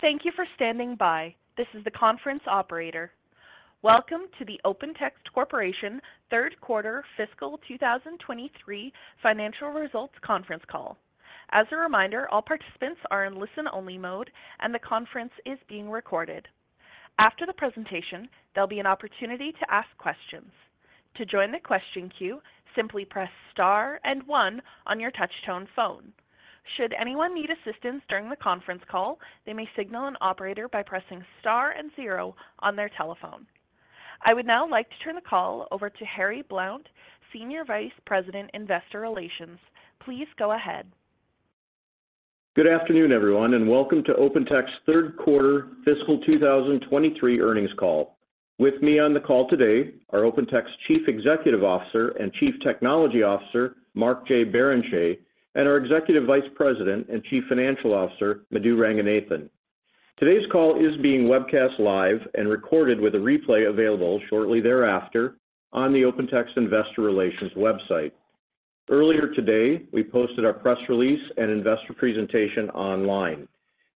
Thank you for standing by. This is the conference operator. Welcome to the OpenText Corporation 3rd quarter fiscal 2023 financial results conference call. As a reminder, all participants are in listen-only mode and the conference is being recorded. After the presentation, there'll be an opportunity to ask questions. To join the question queue, simply press star and one on your touch tone phone. Should anyone need assistance during the conference call, they may signal an operator by pressing star and zero on their telephone. I would now like to turn the call over to Harry Blount, Senior Vice President, Investor Relations. Please go ahead. Good afternoon, everyone, welcome to OpenText 3rd quarter fiscal 2023 earnings call. With me on the call today are OpenText Chief Executive Officer and Chief Technology Officer, Mark J. Barrenechea, and our Executive Vice President and Chief Financial Officer, Madhu Ranganathan. Today's call is being webcast live and recorded with a replay available shortly thereafter on the OpenText Investor Relations website. Earlier today, we posted our press release and investor presentation online.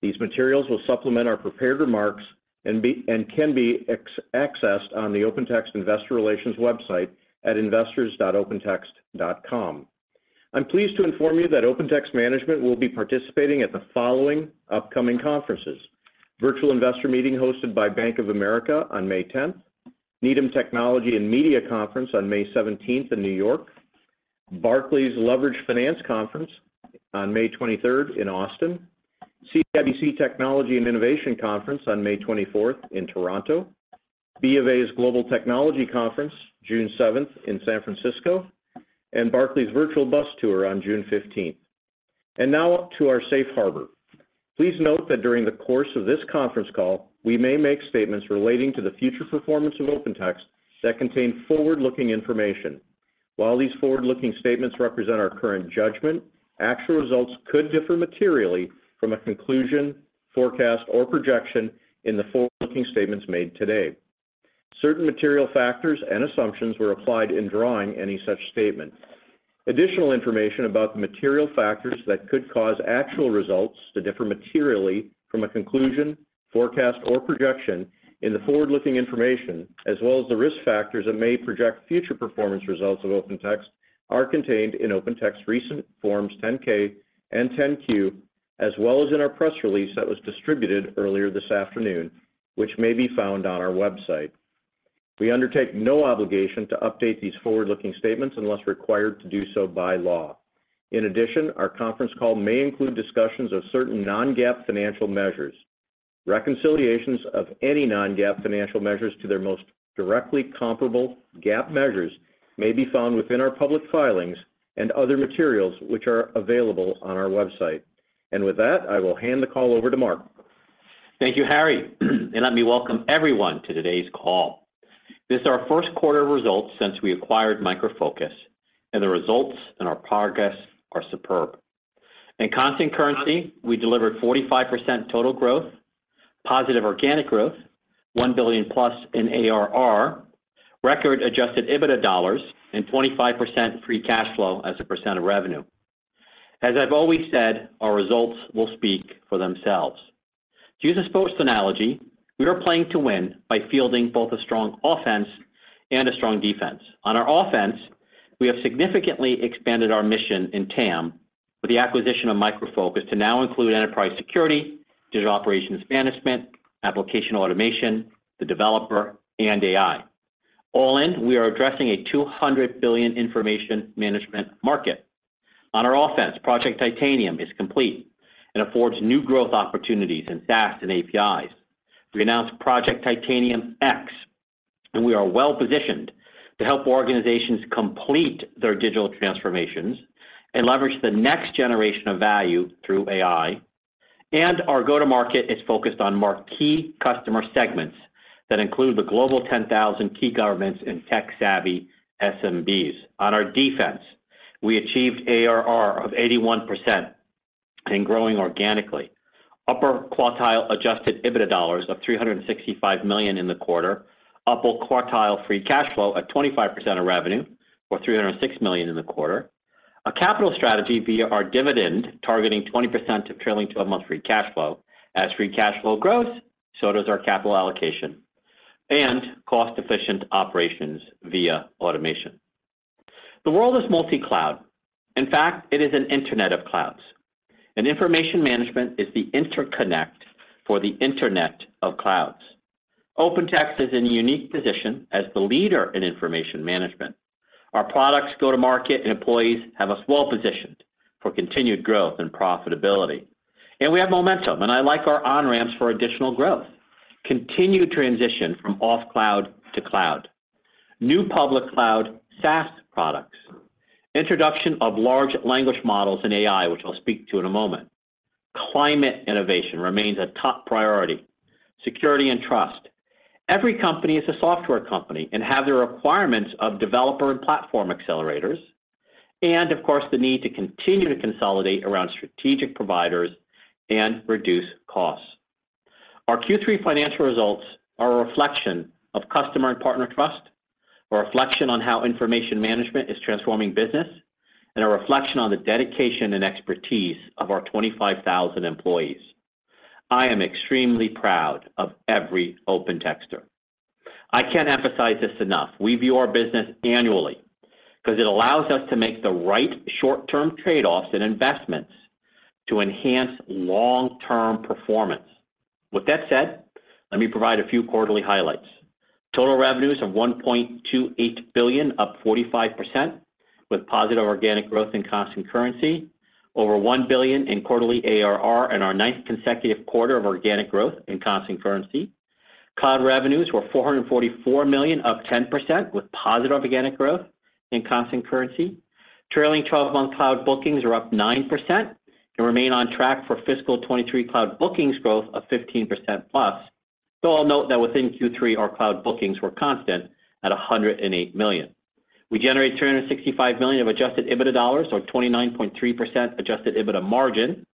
These materials will supplement our prepared remarks and can be accessed on the OpenText Investor Relations website at investors.opentext.com. I'm pleased to inform you that OpenText management will be participating at the following upcoming conferences. Virtual Investor Meeting hosted by Bank of America on May 10th. Needham Technology and Media Conference on May 17th in New York. Barclays Leverage Finance Conference on May 23rd in Austin. CIBC Technology and Innovation Conference on May 24th in Toronto. Bank of America's Global Technology Conference, June 7th in San Francisco. Barclays Virtual Bus Tour on June 15th. Now to our Safe Harbor. Please note that during the course of this conference call, we may make statements relating to the future performance of OpenText that contain forward-looking information. While these forward-looking statements represent our current judgment, actual results could differ materially from a conclusion, forecast, or projection in the forward-looking statements made today. Certain material factors and assumptions were applied in drawing any such statement. Additional information about the material factors that could cause actual results to differ materially from a conclusion, forecast, or projection in the forward-looking information, as well as the risk factors that may project future performance results of OpenText are contained in OpenText recent Forms 10-K and 10-Q, as well as in our press release that was distributed earlier this afternoon, which may be found on our website. We undertake no obligation to update these forward-looking statements unless required to do so by law. Our conference call may include discussions of certain non-GAAP financial measures. Reconciliations of any non-GAAP financial measures to their most directly comparable GAAP measures may be found within our public filings and other materials which are available on our website. With that, I will hand the call over to Mark. Thank you, Harry. Let me welcome everyone to today's call. This is our first quarter results since we acquired Micro Focus, and the results and our progress are superb. In constant currency, we delivered 45% total growth, positive organic growth, $1 billion-plus in ARR, record Adjusted EBITDA dollars, and 25% free cash flow as a % of revenue. As I've always said, our results will speak for themselves. To use a sports analogy, we are playing to win by fielding both a strong offense and a strong defense. On our offense, we have significantly expanded our mission in TAM with the acquisition of Micro Focus to now include enterprise security, digital operations management, application automation, the developer, and AI. All in, we are addressing a $200 billion information management market. On our offense, Project Titanium is complete and affords new growth opportunities in SaaS and APIs. We announced Project Titanium X. We are well positioned to help organizations complete their digital transformations and leverage the next generation of value through AI. Our go-to-market is focused on marquee customer segments that include the Global 10,000 key governments and tech-savvy SMBs. On our defense, we achieved ARR of 81% growing organically. Upper quartile Adjusted EBITDA of $365 million in the quarter. Upper quartile free cash flow at 25% of revenue or $306 million in the quarter. A capital strategy via our dividend targeting 20% of trailing 12-month free cash flow. As free cash flow grows, so does our capital allocation. Cost-efficient operations via automation. The world is multi-cloud. In fact, it is an internet of clouds. Information management is the interconnect for the internet of clouds. OpenText is in a unique position as the leader in information management. Our products go to market, employees have us well-positioned for continued growth and profitability. We have momentum, and I like our on-ramps for additional growth. Continued transition from off cloud to cloud. New public cloud SaaS products. Introduction of large language models in AI, which I'll speak to in a moment. Climate innovation remains a top priority. Security and trust. Every company is a software company and have the requirements of developer and platform accelerators. Of course, the need to continue to consolidate around strategic providers and reduce costs. Our Q3 financial results are a reflection of customer and partner trust. A reflection on how information management is transforming business and a reflection on the dedication and expertise of our 25,000 employees. I am extremely proud of every OpenTexter. I can't emphasize this enough. We view our business annually because it allows us to make the right short term trade-offs and investments to enhance long-term performance. With that said, let me provide a few quarterly highlights. Total revenues of $1.28 billion, up 45% with positive organic growth in constant currency. Over $1 billion in quarterly ARR in our ninth consecutive quarter of organic growth in constant currency. Cloud revenues were $444 million, up 10% with positive organic growth in constant currency. Trailing twelve-month cloud bookings are up 9% and remain on track for fiscal 2023 cloud bookings growth of 15%+. I'll note that within Q3, our cloud bookings were constant at $108 million. We generated $365 million of Adjusted EBITDA dollars, or 29.3% Adjusted EBITDA margin.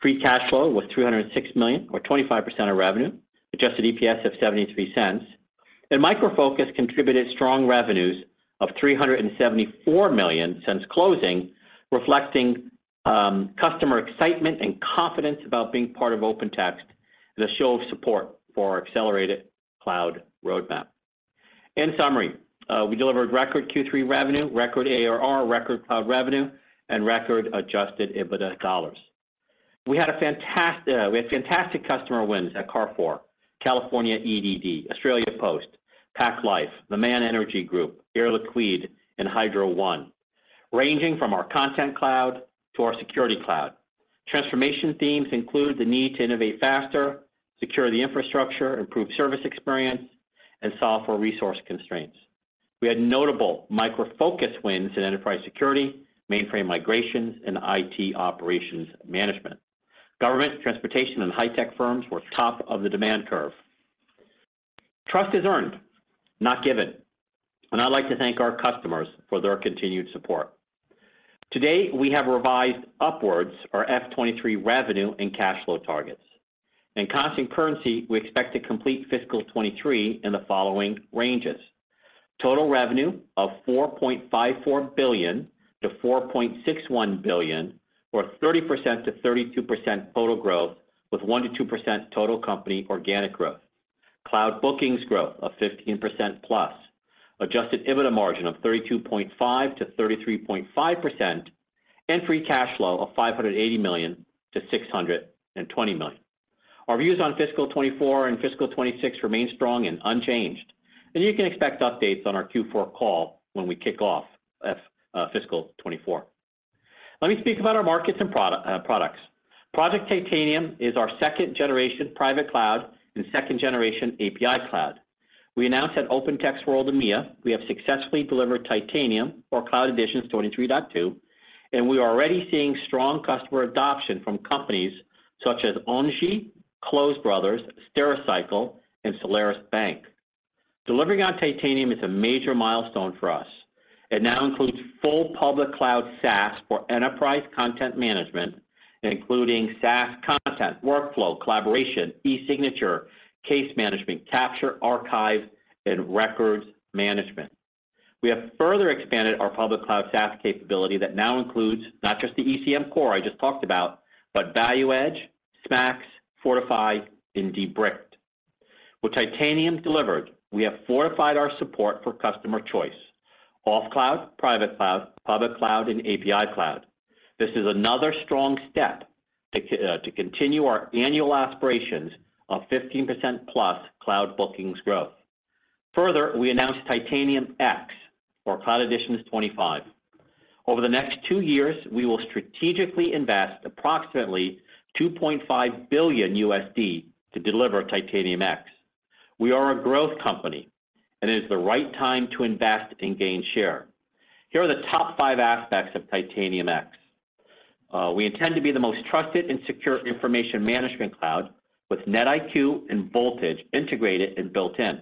Free cash flow was $306 million, or 25% of revenue. Adjusted EPS of $0.73. Micro Focus contributed strong revenues of $374 million since closing, reflecting customer excitement and confidence about being part of OpenText, the show of support for our accelerated cloud roadmap. In summary, we delivered record Q3 revenue, record ARR, record cloud revenue and record Adjusted EBITDA dollars. We had fantastic customer wins at Carrefour, California EDD, Australia Post, PacLife, MAN Energy Solutions, Air Liquide and Hydro One, ranging from our content cloud to our security cloud. Transformation themes include the need to innovate faster, secure the infrastructure, improve service experience and solve for resource constraints. We had notable Micro Focus wins in enterprise security, mainframe migrations and IT operations management. Government, transportation and high tech firms were top of the demand curve. Trust is earned, not given. I'd like to thank our customers for their continued support. Today, we have revised upwards our fiscal 2023 revenue and cash flow targets. In constant currency, we expect to complete fiscal 2023 in the following ranges. Total revenue of $4.54 billion-$4.61 billion, or 30%-32% total growth with 1%-2% total company organic growth. Cloud bookings growth of 15%+. Adjusted EBITDA margin of 32.5%-33.5% and free cash flow of $580 million-$620 million. Our views on fiscal 2024 and fiscal 2026 remain strong and unchanged. You can expect updates on our Q4 call when we kick off fiscal 2024. Let me speak about our markets and products. Project Titanium is our second generation private cloud and second generation API cloud. We announced at OpenText World EMEA we have successfully delivered Titanium or Cloud Editions 23.2, and we are already seeing strong customer adoption from companies such as Ongi, Clovis Brothers, Stericycle and Solaris Bank. Delivering on Titanium is a major milestone for us. It now includes full public cloud SaaS for enterprise content management, including SaaS content, workflow, collaboration, e-signature, case management, capture, archive, and records management. We have further expanded our public cloud SaaS capability that now includes not just the ECM core I just talked about, but ValueEdge, SMAX, Fortify and Debricked. With Titanium delivered, we have fortified our support for customer choice: off cloud, private cloud, public cloud and API cloud. This is another strong step to continue our annual aspirations of 15%+ cloud bookings growth. Further, we announced Titanium X or Cloud Editions 25. Over the next two years, we will strategically invest approximately $2.5 billion to deliver Titanium X. We are a growth company, and it is the right time to invest and gain share. Here are the top five aspects of Titanium X. We intend to be the most trusted and secure information management cloud with NetIQ and Voltage integrated and built in.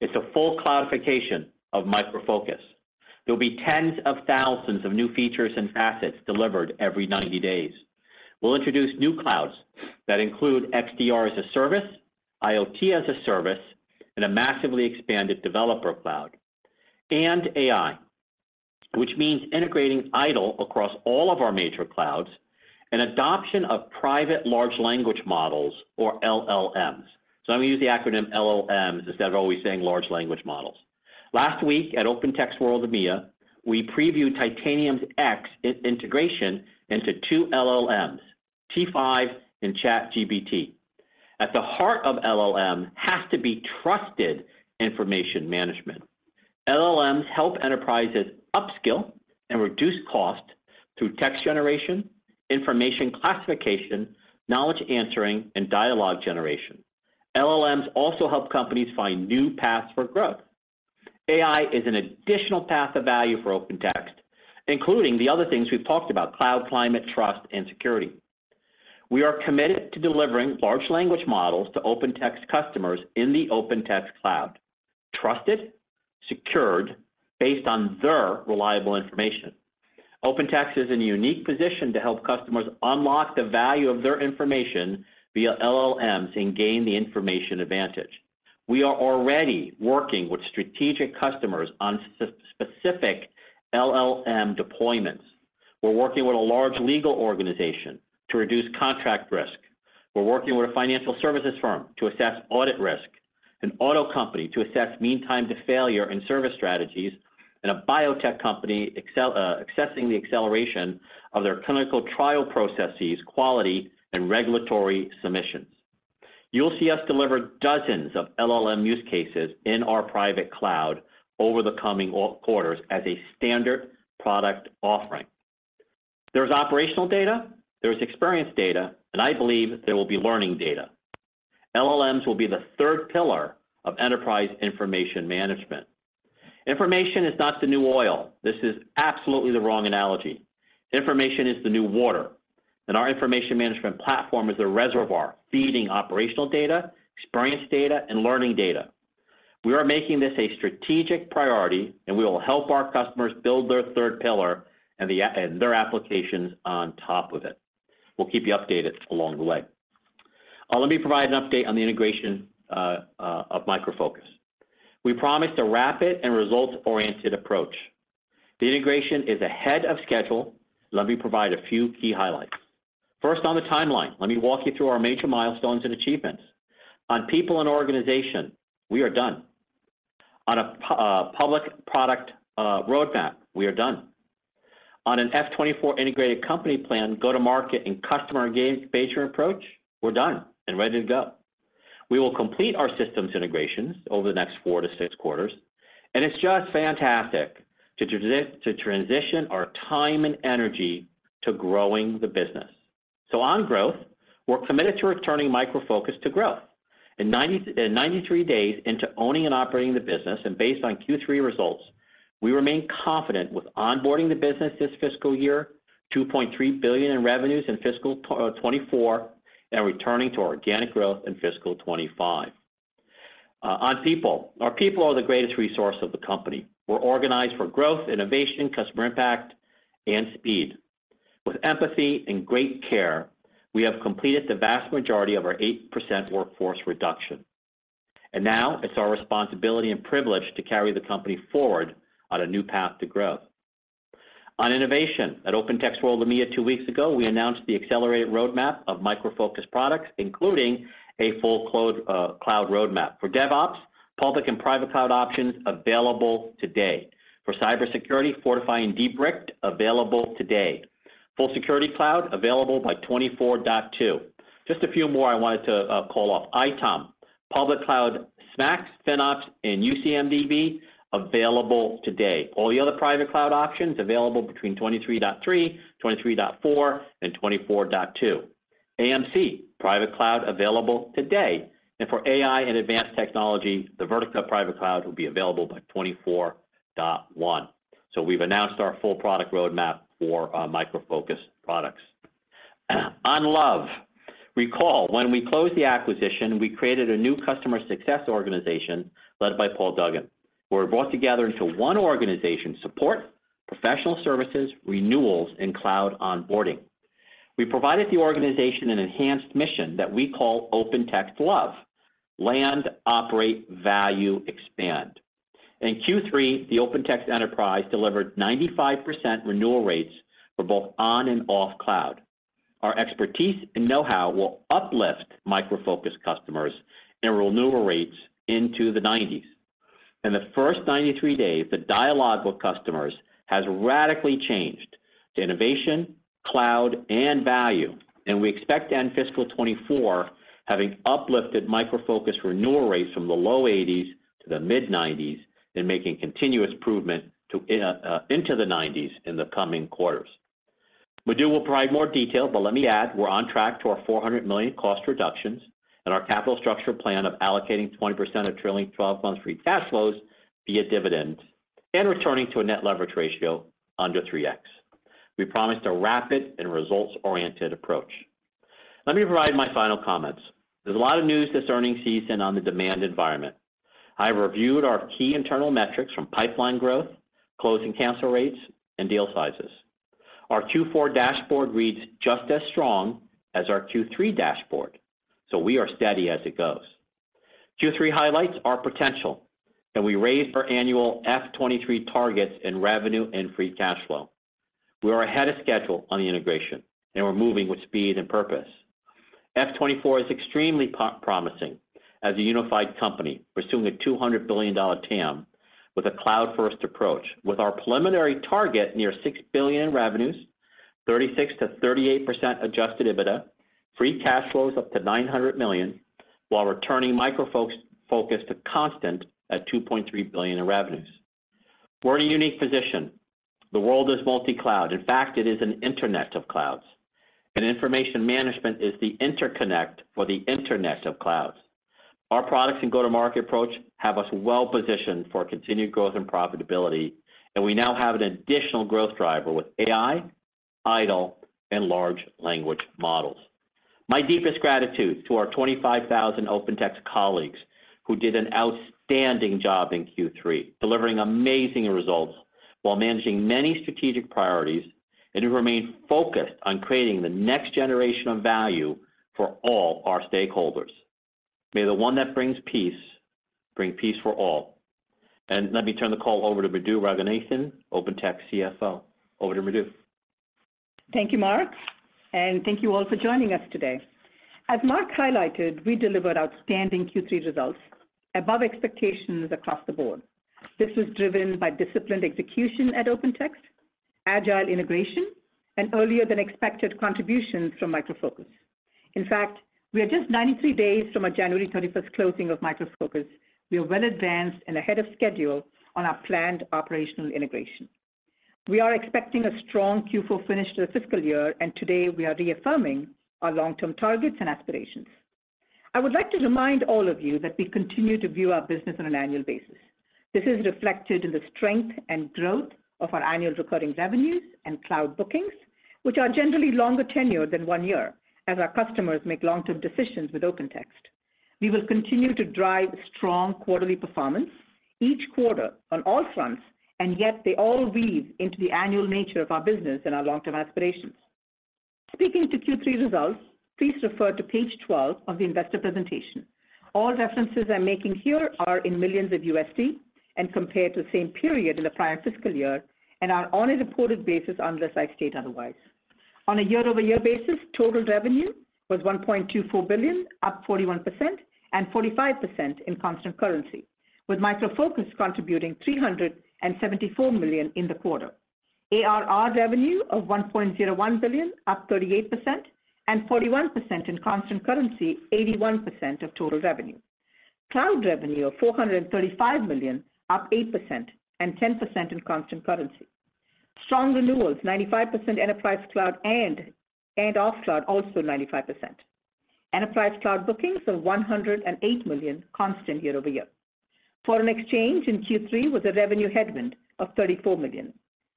It's a full cloudification of Micro Focus. There'll be tens of thousands of new features and assets delivered every 90 days. We'll introduce new clouds that include XDR as a service, IoT as a service and a massively expanded developer cloud and AI, which means integrating IDOL across all of our major clouds and adoption of private large language models or LLMs. I'm going to use the acronym LLMs instead of always saying large language models. Last week at OpenText World EMEA, we previewed Titanium X integration into two LLMs, T5 and ChatGPT. At the heart of LLM has to be trusted information management. LLMs help enterprises upskill and reduce cost through text generation, information classification, knowledge answering and dialogue generation. LLMs also help companies find new paths for growth. AI is an additional path of value for OpenText, including the other things we've talked about cloud climate, trust and security. We are committed to delivering large language models to OpenText customers in the OpenText cloud. Trusted, secured based on their reliable information. OpenText is in a unique position to help customers unlock the value of their information via LLMs and gain the information advantage. We are already working with strategic customers on specific LLM deployments. We're working with a large legal organization to reduce contract risk. We're working with a financial services firm to assess audit risk, an auto company to assess mean time to failure and service strategies, and a biotech company assessing the acceleration of their clinical trial processes, quality, and regulatory submissions. You'll see us deliver dozens of LLM use cases in our private cloud over the coming quarters as a standard product offering. There's operational data, there's experience data, I believe there will be learning data. LLMs will be the third pillar of enterprise information management. Information is not the new oil. This is absolutely the wrong analogy. Information is the new water, our information management platform is a reservoir feeding operational data, experience data, and learning data. We are making this a strategic priority, we will help our customers build their third pillar and their applications on top of it. We'll keep you updated along the way. Let me provide an update on the integration of Micro Focus. We promised a rapid and results-oriented approach. The integration is ahead of schedule. Let me provide a few key highlights. First, on the timeline, let me walk you through our major milestones and achievements. On people and organization, we are done. On a public product roadmap, we are done, on fiscal 2024 integrated company plan, go-to-market and customer engagement approach, we're done and ready to go. We will complete our systems integrations over the next four to six quarters, it's just fantastic to transition our time and energy to growing the business. On growth, we're committed to returning Micro Focus to growth. In 93 days into owning and operating the business and based on Q3 results, we remain confident with onboarding the business this fiscal year, $2.3 billion in fiscal 2024, and returning to organic growth in fiscal 2025. On people. Our people are the greatest resource of the company. We're organized for growth, innovation, customer impact, and speed. With empathy and great care, we have completed the vast majority of our 8% workforce reduction. Now it's our responsibility and privilege to carry the company forward on a new path to growth. On innovation. At OpenText World EMEA 2 weeks ago, we announced the accelerated roadmap of Micro Focus products, including a full cloud roadmap. For DevOps, public and private cloud options available today. For cybersecurity, Fortify and Debricked available today. Full security cloud available by 24.2. Just a few more I wanted to call off. ITOM, public cloud SMAX, FinOps, and UCMDB available today. All the other private cloud options available between 23.3, 23.4, and 24.2. AMC private cloud available today. For AI and advanced technology, the Vertica private cloud will be available by 24.1. We've announced our full product roadmap for Micro Focus products. On L.O.V.E. Recall, when we closed the acquisition, we created a new customer success organization led by Paul Duggan. We're brought together into one organization, support, professional services, renewals, and cloud onboarding. We provided the organization an enhanced mission that we call OpenText L.O.V.E., land, operate, value, expand. In Q3, the OpenText enterprise delivered 95% renewal rates for both on and off cloud. Our expertise and know-how will uplift Micro Focus customers and renewal rates into the 90s. In the first 93 days, the dialogue with customers has radically changed to innovation, cloud, and value, and we expect fiscal 2024 having uplifted Micro Focus renewal rates from the low 80s to the mid-90s and making continuous improvement into the 90s in the coming quarters. Madhu will provide more detail, but let me add we're on track to our $400 million cost reductions and our capital structure plan of allocating 20% of trailing 12 months free cash flows via dividend and returning to a net leverage ratio under 3x. We promised a rapid and results-oriented approach. Let me provide my final comments. There's a lot of news this earnings season on the demand environment. I reviewed our key internal metrics from pipeline growth, close and cancel rates, and deal sizes. Our Q4 dashboard reads just as strong as our Q3 dashboard. We are steady as it goes. Q3 highlights our potential, and we raised annual fiscal 2023 targets in revenue and FCF. We are ahead of schedule on the integration, and we're moving with speed on purpose. Fiscal 2024 is extremely promising as a unified company. We're assuming a $200 billion TAM with a cloud-first approach. With our preliminary target near $6 billion in revenues, 36%-38% Adjusted EBITDA, FCF up to $900 million, while returning Micro Focus to constant at $2.3 billion in revenues. We're in a unique position. The world is multi-cloud. In fact, it is an internet of clouds. Information management is the interconnect for the internet of clouds. Our products and go-to-market approach have us well positioned for continued growth and profitability, and we now have an additional growth driver with AI, IDOL, and large language models. My deepest gratitude to our 25,000 OpenText colleagues who did an outstanding job in Q3, delivering amazing results while managing many strategic priorities and who remain focused on creating the next generation of value for all our stakeholders. May the one that brings peace bring peace for all. Let me turn the call over to Madhu Ranganathan, OpenText CFO. Over to Madhu. Thank you, Mark. Thank you all for joining us today. As Mark highlighted, we delivered outstanding Q3 results above expectations across the board. This was driven by disciplined execution at OpenText, agile integration, and earlier than expected contributions from Micro Focus. In fact, we are just 93 days from our January 21st closing of Micro Focus. We are well advanced and ahead of schedule on our planned operational integration. We are expecting a strong Q4 finish to the fiscal year. Today we are reaffirming our long-term targets and aspirations. I would like to remind all of you that we continue to view our business on an annual basis. This is reflected in the strength and growth of our annual recurring revenues and cloud bookings, which are generally longer tenure than one year as our customers make long-term decisions with OpenText. We will continue to drive strong quarterly performance each quarter on all fronts. Yet they all weave into the annual nature of our business and our long-term aspirations. Speaking to Q3 results, please refer to page 12 of the investor presentation. All references I'm making here are in millions of USD and compared to the same period in the prior fiscal year and are on a reported basis unless I state otherwise. On a year-over-year basis, total revenue was $1.24 billion, up 41% and 45% in constant currency, with Micro Focus contributing $374 million in the quarter. ARR revenue of $1.01 billion, up 38% and 41% in constant currency, 81% of total revenue. Cloud revenue of $435 million, up 8% and 10% in constant currency. Strong renewals, 95% enterprise cloud and off cloud also 95%. Enterprise cloud bookings of $108 million constant year-over-year. Foreign exchange in Q3 was a revenue headwind of $34 million.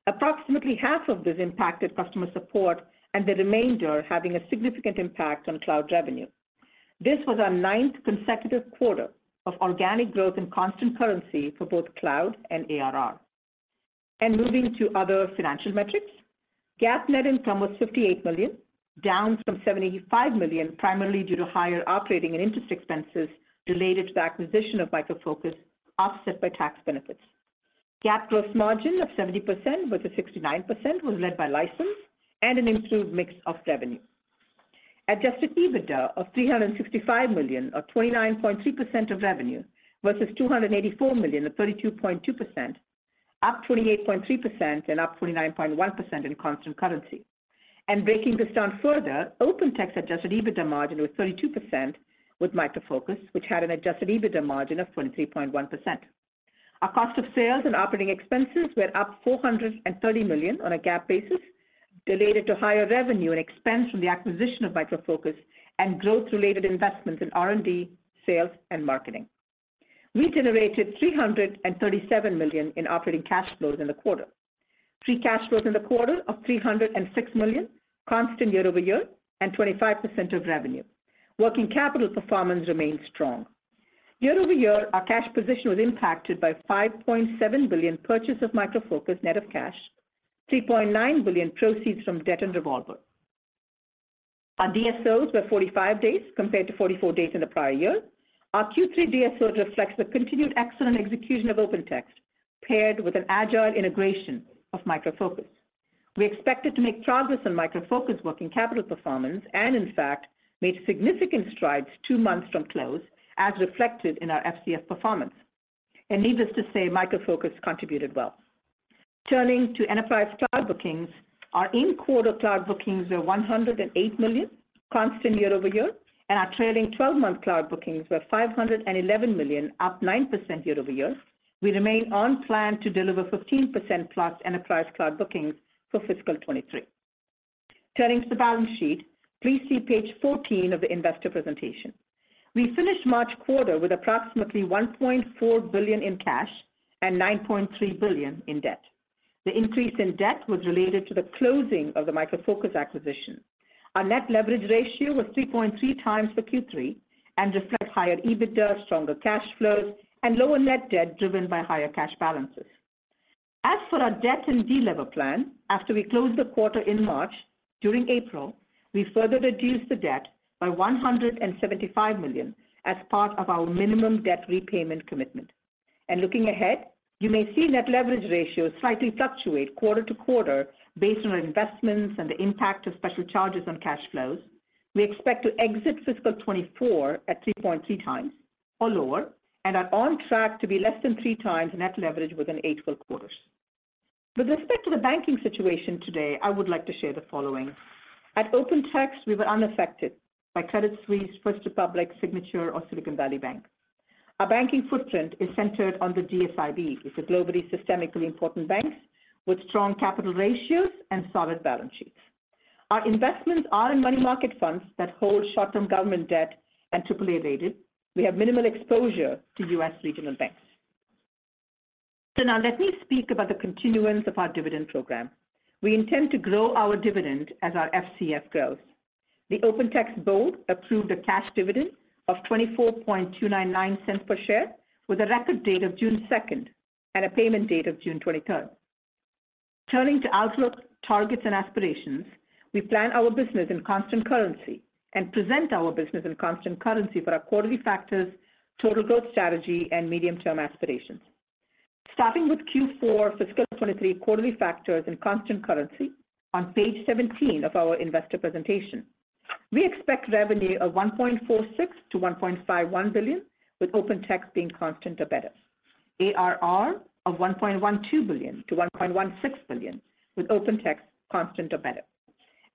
Approximately half of this impacted customer support and the remainder having a significant impact on cloud revenue. This was our 9th consecutive quarter of organic growth in constant currency for both cloud and ARR. Moving to other financial metrics. GAAP net income was $58 million, down from $75 million, primarily due to higher operating and interest expenses related to the acquisition of Micro Focus, offset by tax benefits. GAAP gross margin of 70% versus 69% was led by license and an improved mix of revenue. Adjusted EBITDA of $365 million, or 29.3% of revenue versus $284 million, or 32.2%, up 28.3% and up 29.1% in constant currency. Breaking this down further, OpenText adjusted EBITDA margin was 32% with Micro Focus, which had an adjusted EBITDA margin of 23.1%. Our cost of sales and operating expenses were up $430 million on a GAAP basis related to higher revenue and expense from the acquisition of Micro Focus and growth-related investments in R&D, sales, and marketing. We generated $337 million in operating cash flows in the quarter. Free cash flows in the quarter of $306 million constant year-over-year and 25% of revenue. Working capital performance remains strong. Year-over-year, our cash position was impacted by $5.7 billion purchase of Micro Focus net of cash, $3.9 billion proceeds from debt and revolver. Our DSOs were 45 days compared to 44 days in the prior year. Our Q3 DSO reflects the continued excellent execution of OpenText paired with an agile integration of Micro Focus. We expected to make progress on Micro Focus working capital performance and in fact made significant strides 2 months from close as reflected in our FCF performance. Needless to say, Micro Focus contributed well. Turning to enterprise cloud bookings, our in-quarter cloud bookings were $108 million constant year-over-year, and our trailing 12-month cloud bookings were $511 million, up 9% year-over-year. We remain on plan to deliver 15%+ enterprise cloud bookings for fiscal 2023. Turning to the balance sheet, please see Page 14 of the investor presentation. We finished March quarter with approximately $1.4 billion in cash and $9.3 billion in debt. The increase in debt was related to the closing of the Micro Focus acquisition. Our net leverage ratio was 3.3x for Q3 and reflect higher EBITDA, stronger cash flows, and lower net debt driven by higher cash balances. As for our debt and delever plan, after we closed the quarter in March, during April, we further reduced the debt by $175 million as part of our minimum debt repayment commitment. Looking ahead, you may see net leverage ratios slightly fluctuate quarter to quarter based on our investments and the impact of special charges on cash flows. We expect fiscal 2024 at 3.3x or lower and are on track to be less than 3x net leverage within eight full quarters. With respect to the banking situation today, I would like to share the following. At OpenText, we were unaffected by Credit Suisse, First Republic, Signature, or Silicon Valley Bank. Our banking footprint is centered on the G-SIB. It's a globally systemically important banks with strong capital ratios and solid balance sheets. Our investments are in money market funds that hold short-term government debt and AAA-rated. We have minimal exposure to U.S. regional banks. Now let me speak about the continuance of our dividend program. We intend to grow our dividend as our FCF grows. The OpenText board approved a cash dividend of $0.24299 per share with a record date of June 2nd and a payment date of June 23rd. Turning to outlook targets and aspirations, we plan our business in constant currency and present our business in constant currency for our quarterly factors, total growth strategy, and medium-term aspirations. Starting with Q4 fiscal 2023 quarterly factors in constant currency on page 17 of our investor presentation. We expect revenue of $1.46 billion-$1.51 billion with OpenText being constant or better. ARR of $1.12 billion-$1.16 billion with OpenText constant or better.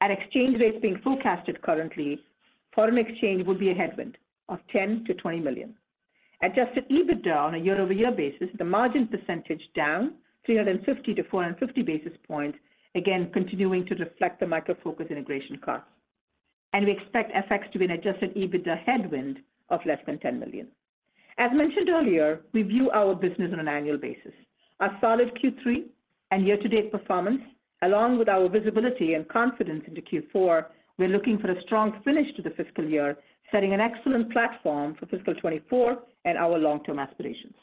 At exchange rates being forecasted currently, foreign exchange will be a headwind of $10 million-$20 million. Adjusted EBITDA on a year-over-year basis, the margin percentage down 350-450 basis points, again, continuing to reflect the Micro Focus integration costs. We expect FX to be an Adjusted EBITDA headwind of less than $10 million. As mentioned earlier, we view our business on an annual basis. Our solid Q3 and year-to-date performance, along with our visibility and confidence into Q4, we're looking for a strong finish to the fiscal year, setting an excellent fiscal 2024 and our long-term aspirations.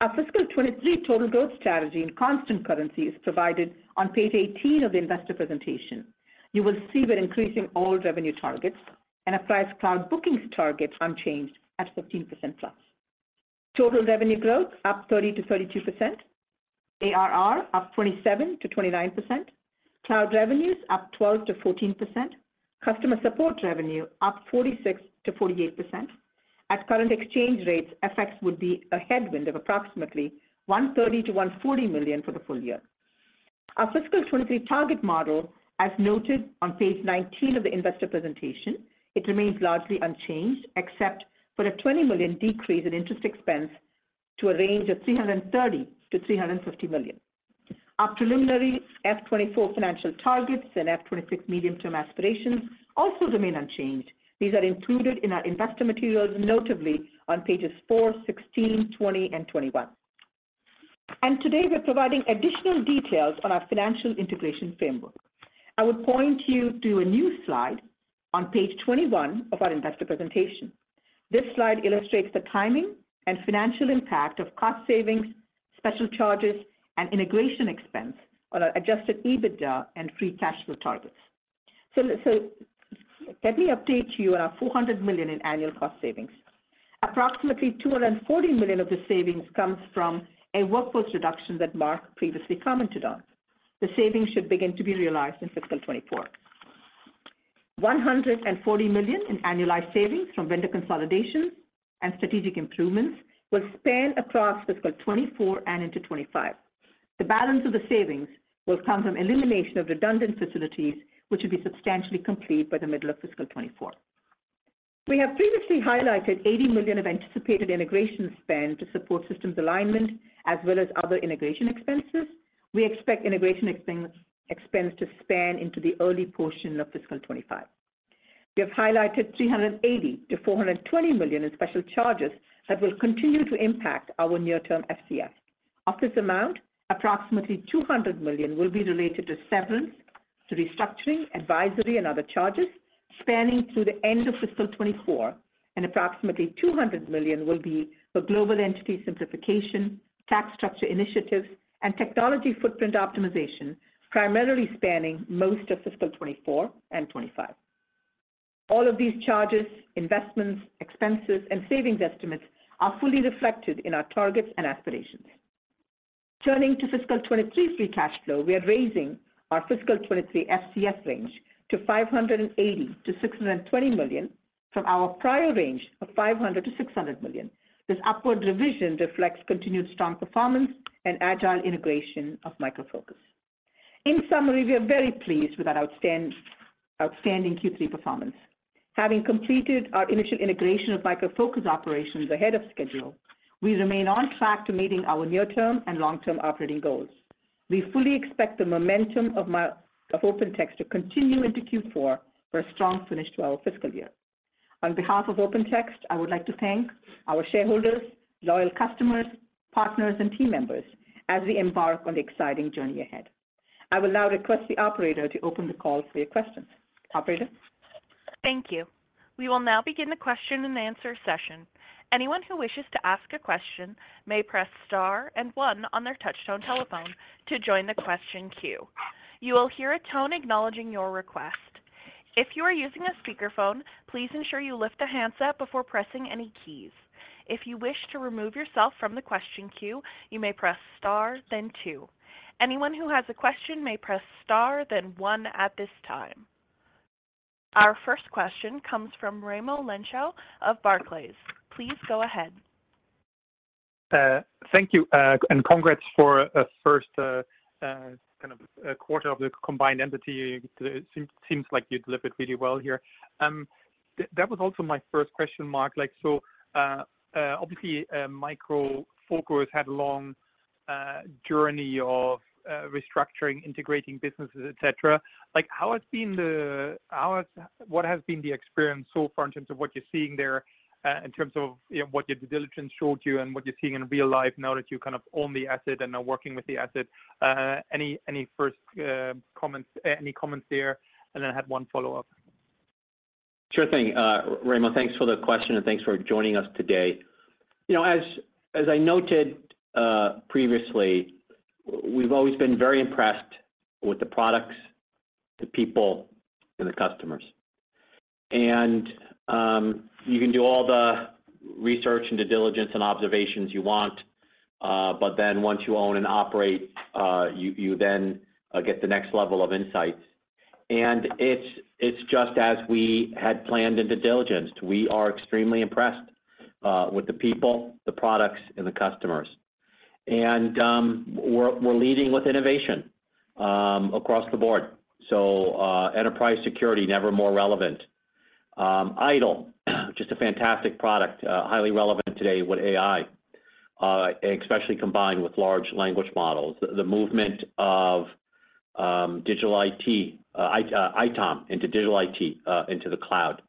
Our fiscal 2023 total growth strategy in constant currency is provided on page 18 of the investor presentation. You will see we're increasing all revenue targets and applies cloud bookings targets unchanged at 15%+. Total revenue growth up 30%-32%. ARR up 27%-29%. Cloud revenues up 12%-14%. Customer support revenue up 46%-48%. At current exchange rates, FX would be a headwind of approximately $130 million-$140 million for the full year. Our fiscal 2023 target model, as noted on page 19 of the investor presentation, it remains largely unchanged, except for a $20 million decrease in interest expense to a range of $330 million-$350 million. Our preliminary fiscal 2024 financial targets and fiscal 2026 medium-term aspirations also remain unchanged. These are included in our investor materials, notably on Pages 4, 16, 20, and 21. Today we're providing additional details on our financial integration framework. I would point you to a new slide on Page 21 of our investor presentation. This slide illustrates the timing and financial impact of cost savings, special charges, and integration expense on our Adjusted EBITDA and Free Cash Flow targets. Let me update you on our $400 million in annual cost savings. Approximately $240 million of the savings comes from a workforce reduction that Mark previously commented on. The savings should begin to be fiscal 2024. $140 million in annualized savings from vendor consolidations and strategic improvements will fiscal 2024 and into 2025. The balance of the savings will come from elimination of redundant facilities, which will be substantially complete by the fiscal year 2024. We have previously highlighted $80 million of anticipated integration spend to support systems alignment as well as other integration expenses. We expect integration expense to span into the early portion of fiscal 2025. We have highlighted $380 million-$420 million in special charges that will continue to impact our near-term FCF. Of this amount, approximately $200 million will be related to severance, restructuring, advisory, and other charges spanning through the fiscal year 2024, and approximately $200 million will be for global entity simplification, tax structure initiatives, and technology footprint optimization, primarily spanning fiscal year 2024 and 2025. All of these charges, investments, expenses, and savings estimates are fully reflected in our targets and aspirations. Turning to fiscal 2023 free cash flow, we are raising our fiscal 2023 FCF range to $580 million-$620 million from our prior range of $500 million-$600 million. This upward revision reflects continued strong performance and agile integration of Micro Focus. In summary, we are very pleased with our outstanding Q3 performance. Having completed our initial integration of Micro Focus operations ahead of schedule, we remain on track to meeting our near-term and long-term operating goals. We fully expect the momentum of OpenText to continue into Q4 for a strong finish to our fiscal year. On behalf of OpenText, I would like to thank our shareholders, loyal customers, partners, and team members as we embark on the exciting journey ahead. I will now request the operator to open the call for your questions. Operator? Thank you. We will now begin the question and answer session. Anyone who wishes to ask a question may press star and one on their touchtone telephone to join the question queue. You will hear a tone acknowledging your request. If you are using a speakerphone, please ensure you lift the handset before pressing any keys. If you wish to remove yourself from the question queue, you may press star then two. Anyone who has a question may press star then one at this time. Our first question comes from Raimo Lenschow of Barclays. Please go ahead. Thank you. Congrats for a first, kind of a quarter of the combined entity. It seems like you delivered really well here. That was also my first question, Mark. Like, obviously, Micro Focus had long journey of restructuring, integrating businesses, etc. Like, what has been the experience so far in terms of what you're seeing there, in terms of, you know, what your due diligence showed you and what you're seeing in real life now that you kind of own the asset and are working with the asset? Any comments there? Then I have one follow-up. Sure thing, Raimo. Thanks for the question, and thanks for joining us today. You know, as I noted, previously, we've always been very impressed with the products, the people, and the customers. You can do all the research and due diligence and observations you want, once you own and operate, you then get the next level of insights. It's just as we had planned and due diligenced. We are extremely impressed with the people, the products, and the customers. We're leading with innovation across the board. Enterprise security, never more relevant. IDOL, just a fantastic product, highly relevant today with AI, especially combined with large language models. The movement of digital IT, ITOM into digital IT, into the cloud.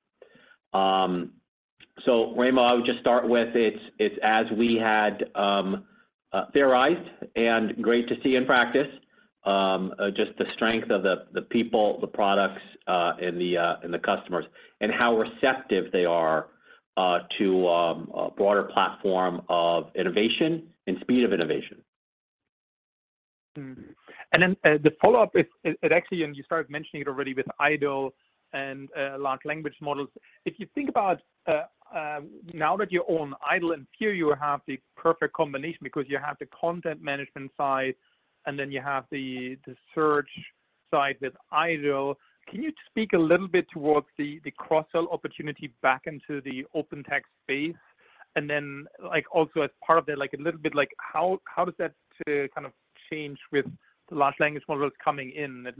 Raimo, I would just start with it's as we had theorized and great to see in practice, just the strength of the people, the products, and the customers and how receptive they are to a broader platform of innovation and speed of innovation. Actually, you started mentioning it already with IDOL and large language models. If you think about, now that you own IDOL and Firio, you have the perfect combination because you have the content management side, and then you have the search side with IDOL. Can you speak a little bit towards the cross-sell opportunity back into the OpenText space? Like, also as part of that, like a little bit like how does that kind of change with the large language models coming in? It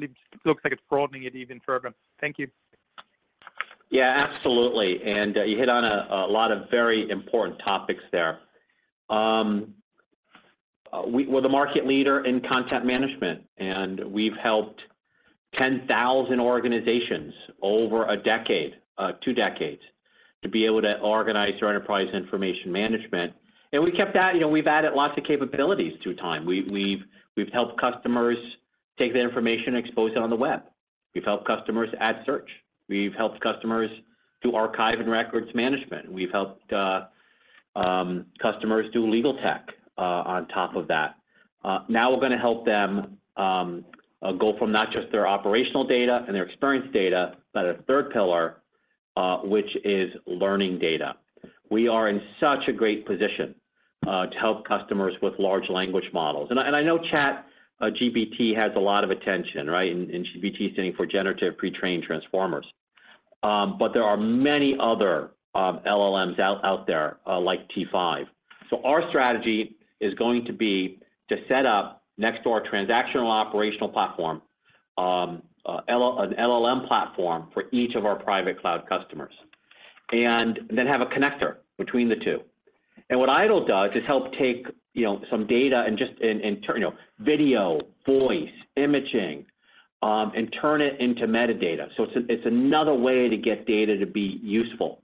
looks like it's broadening it even further. Thank you. You hit on a lot of very important topics there. We're the market leader in content management, and we've helped 10,000 organizations over a decade, two decades, to be able to organize their enterprise information management. We kept adding, you know, we've added lots of capabilities through time. We've helped customers take that information and expose it on the web. We've helped customers add search. We've helped customers do archive and records management. We've helped customers do legal tech on top of that. Now we're gonna help them go from not just their operational data and their experience data, but a third pillar, which is learning data. We are in such a great position to help customers with large language models. I know ChatGPT has a lot of attention, right? GPT standing for generative pre-trained transformers. But there are many other LLMs out there like T5. Our strategy is going to be to set up next to our transactional operational platform, an LLM platform for each of our private cloud customers, and then have a connector between the two. What IDOL does is help take, you know, some data and turn, you know, video, voice, imaging, and turn it into metadata. It's another way to get data to be useful.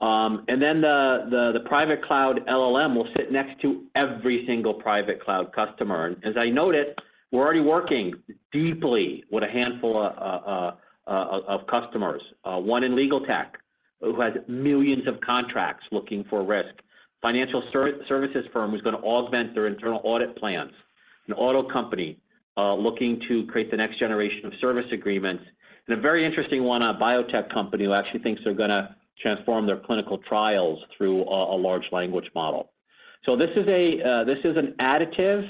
Then the private cloud LLM will sit next to every single private cloud customer. As I noted, we're already working deeply with a handful of customers. One in legal tech who has millions of contracts looking for risk. Financial services firm who's gonna augment their internal audit plans. An auto company looking to create the next generation of service agreements. A very interesting one, a biotech company who actually thinks they're gonna transform their clinical trials through a large language model. This is an additive,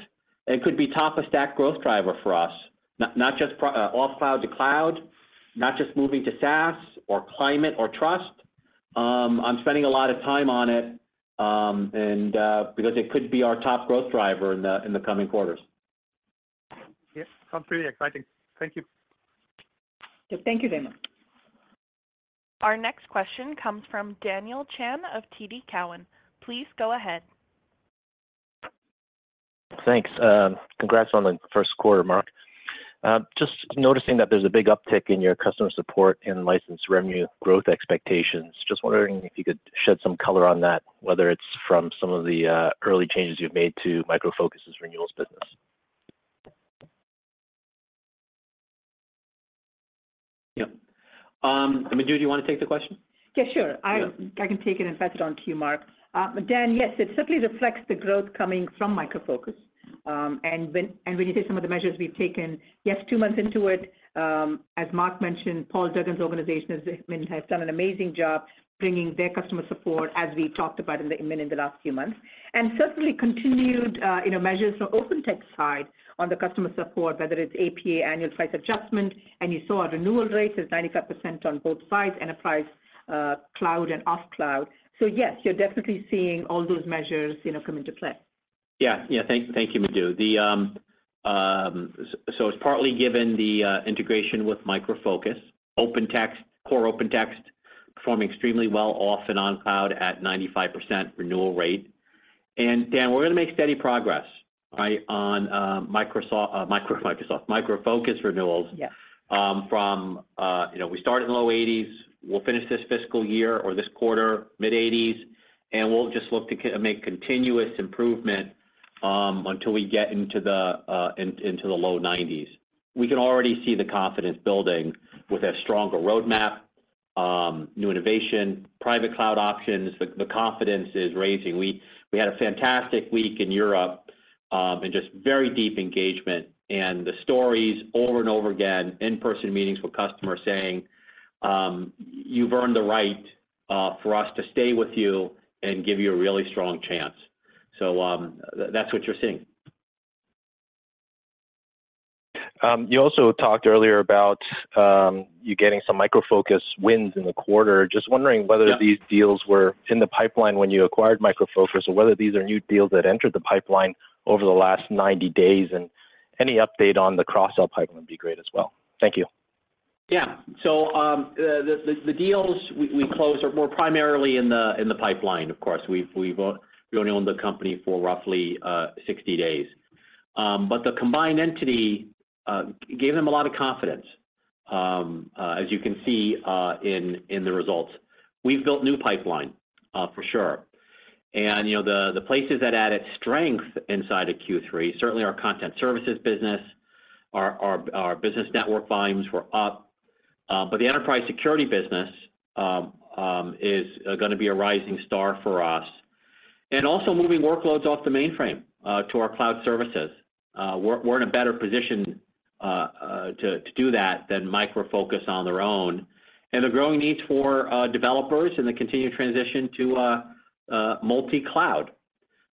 and it could be top-of-stack growth driver for us. Not just off cloud to cloud, not just moving to SaaS or climate or trust. I'm spending a lot of time on it, and because it could be our top growth driver in the coming quarters. Yeah. Sounds pretty exciting. Thank you. Thank you, Raimo. Our next question comes from Daniel Chan of TD Cowen. Please go ahead. Thanks. Congrats on the first quarter, Mark. Just noticing that there's a big uptick in your customer support and licensed revenue growth expectations. Just wondering if you could shed some color on that, whether it's from some of the early changes you've made to Micro Focus's renewals business. Yeah. Madhu, do you wanna take the question? Yeah, sure. Yeah. I can take it and pass it on to you, Mark. Dan, yes, it simply reflects the growth coming from Micro Focus. And when you say some of the measures we've taken, yes, two months into it, as Mark mentioned, Paul Duggan's organization has done an amazing job bringing their customer support, as we talked about in the last few months. Certainly continued, you know, measures from OpenText's side on the customer support, whether it's APA annual price adjustment, and you saw our renewal rate is 95% on both sides, enterprise, cloud and off cloud. Yes, you're definitely seeing all those measures, you know, come into play. Yeah. Yeah. Thank you, Madhu. So it's partly given the integration with Micro Focus. OpenText, core OpenText performing extremely well off and on cloud at 95% renewal rate. Daniel Chan, we're gonna make steady progress, right, on Micro Focus renewals. Yeah... from, you know, we started in the low 80s. We'll finish this fiscal year or this quarter mid-80s, and we'll just look to make continuous improvement until we get into the low 90s. We can already see the confidence building with a stronger roadmap, new innovation, private cloud options. The confidence is raising. We had a fantastic week in Europe, and just very deep engagement, and the stories over and over again, in-person meetings with customers saying, "You've earned the right for us to stay with you and give you a really strong chance." That's what you're seeing. You also talked earlier about you getting some Micro Focus wins in the quarter. Just wondering. Yeah... these deals were in the pipeline when you acquired Micro Focus, or whether these are new deals that entered the pipeline over the last 90 days. Any update on the cross-sell pipeline would be great as well. Thank you. The deals we closed were more primarily in the pipeline, of course. We've only owned the company for roughly 60 days. The combined entity gave them a lot of confidence, as you can see in the results. We've built new pipeline for sure. You know, the places that added strength inside of Q3, certainly our content services business, our business network volumes were up. The enterprise security business is gonna be a rising star for us. Also moving workloads off the mainframe to our cloud services. We're in a better position to do that than Micro Focus on their own. The growing needs for developers and the continued transition to multi-cloud.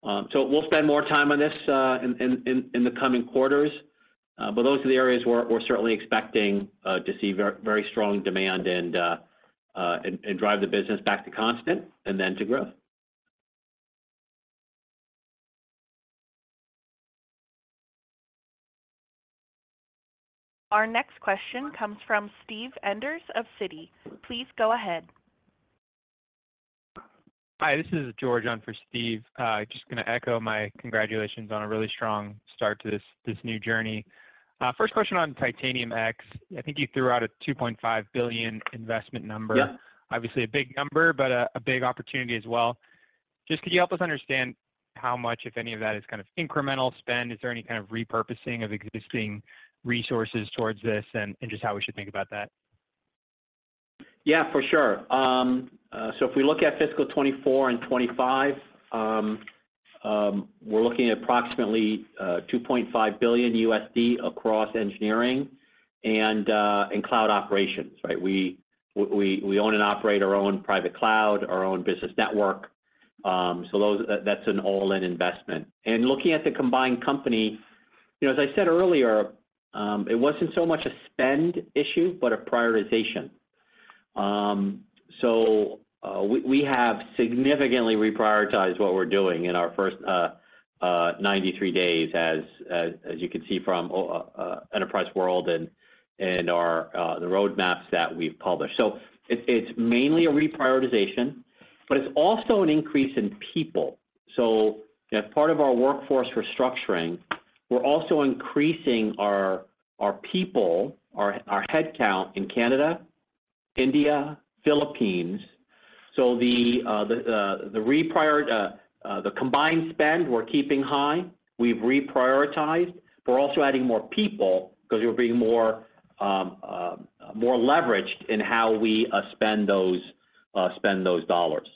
We'll spend more time on this in the coming quarters. Those are the areas we're certainly expecting to see very strong demand and drive the business back to constant and then to growth. Our next question comes from Steven Enders of Citi. Please go ahead. Hi, this is George on for Steve. Just gonna echo my congratulations on a really strong start to this new journey. First question on Titanium X, I think you threw out a $2.5 billion investment number. Yeah. Obviously a big number, but a big opportunity as well. Just could you help us understand how much, if any of that is kind of incremental spend? Is there any kind of repurposing of existing resources towards this, and just how we should think about that? Yeah, for sure. If we fiscal year 2024 and 2025, we're looking at approximately $2.5 billion across engineering and in cloud operations, right? We own and operate our own private cloud, our own business network. That's an all-in investment. Looking at the combined company, you know, as I said earlier, it wasn't so much a spend issue but a prioritization. We have significantly reprioritized what we're doing in our first 93 days as you can see from Enterprise World and the roadmaps that we've published. It's mainly a reprioritization, but it's also an increase in people. As part of our workforce restructuring, we're also increasing our people, our headcount in Canada, India, Philippines. The combined spend we're keeping high. We've reprioritized. We're also adding more people because we're being more leveraged in how we spend those dollars.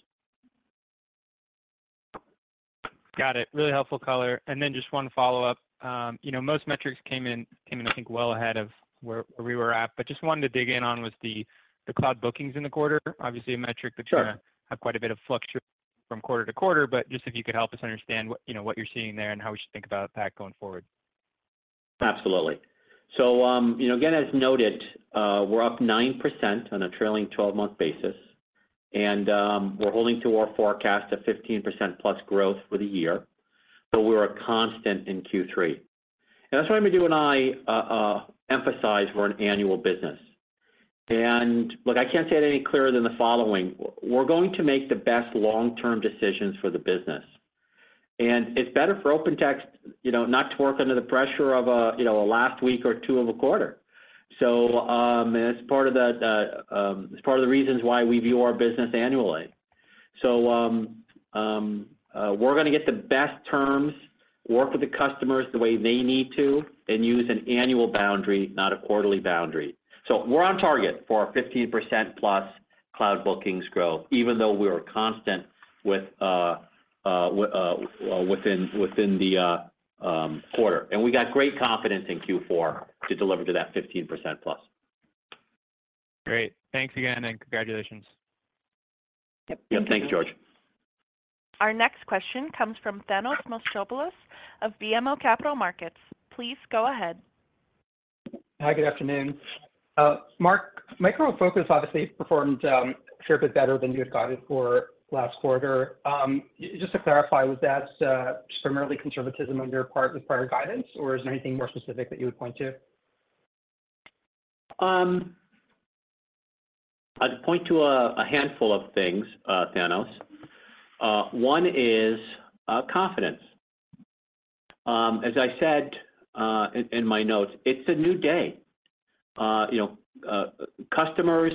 Got it. Really helpful color. Then just one follow-up. You know, most metrics came in, I think, well ahead of where we were at. Just wanted to dig in on was the cloud bookings in the quarter. Obviously a metric that's. Sure... gonna have quite a bit of fluctuation from quarter to quarter, but just if you could help us understand what, you know, what you're seeing there and how we should think about that going forward. Absolutely. You know, again, as noted, we're up 9% on a trailing 12-month basis, and we're holding to our forecast of 15%+ growth for the year, but we're a constant in Q3. That's why Meenu and I emphasize we're an annual business. Look, I can't say it any clearer than the following. We're going to make the best long-term decisions for the business. It's better for OpenText, you know, not to work under the pressure of a, you know, a last week or two of a quarter. It's part of the reasons why we view our business annually. We're gonna get the best terms, work with the customers the way they need to, and use an annual boundary, not a quarterly boundary. We're on target for our 15%+ cloud bookings growth, even though we're constant with within the quarter. We got great confidence in Q4 to deliver to that 15% plus. Great. Thanks again, and congratulations. Yep. Yeah. Thanks, George. Our next question comes from Thanos Moschopoulos of BMO Capital Markets. Please go ahead. Hi, good afternoon. Mark, Micro Focus obviously performed a fair bit better than you had guided for last quarter. Just to clarify, was that just primarily conservatism on your part with prior guidance, or is there anything more specific that you would point to? I'd point to a handful of things, Thanos. One is confidence. As I said, in my notes, it's a new day. You know, customers